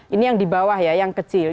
ini yang di bawah ya yang kecil